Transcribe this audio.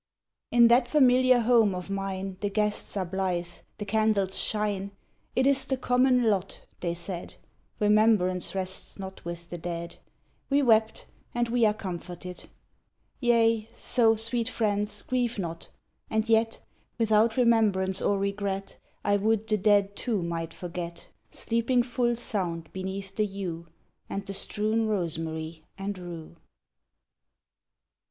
In that familiar home of mine The guests are blithe, — the candles shine :— 'It is the common lot' they said, Remembrance rests not with the dead ;— We wept, and we are comforted. Yea, so, sweet friends, grieve not, — and yet, Without remembrance or regret I would the dead too might forget, Sleeping full sound beneath the yew, And the strewn rosemary and rue.